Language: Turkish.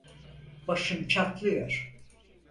Başım çatlıyor.